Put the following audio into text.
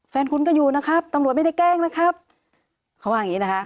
แฟนคุณก็อยู่นะครับตำรวจไม่ได้แกล้งนะครับเขาว่าอย่างงี้นะคะ